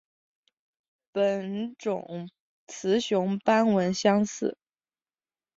本种雌雄斑纹相似。